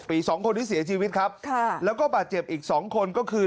อีกสองคนที่เสียชีวิตครับค่ะแล้วก็บาดเจ็บอีกสองคนก็คือ